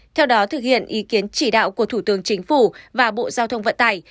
theo đó thực hiện ý kiến chỉ đạo của thủ tướng chính phủ và bộ giao thông vận tải